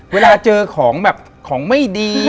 เวลาเจอของแบบของไม่ดี